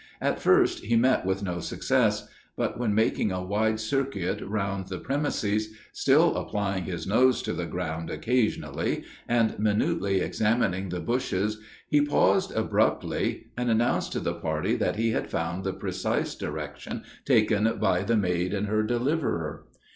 At first he met with no success, but when making a wide circuit round the premises, still applying his nose to the ground occasionally, and minutely examining the bushes, he paused abruptly, and announced to the party that he had found the precise direction taken by the maid and her deliverer.